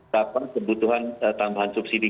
tentang kebutuhan tambahan subsidi